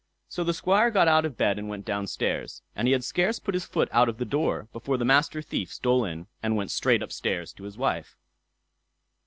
So the Squire got out of bed and went downstairs, and he had scarce put his foot out of the door before the Master Thief stole in, and went straight upstairs to his wife.